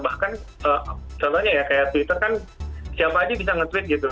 bahkan contohnya ya kayak twitter kan siapa aja bisa nge tweet gitu